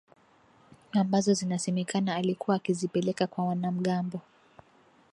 ambazo inasemekana alikuwa akizipeleka kwa wanamgambo